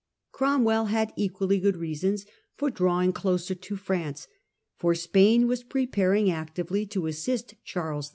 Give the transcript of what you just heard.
Cromwell had equally good reasons for drawing closer to France, for Spain was preparing actively to assist Charles II.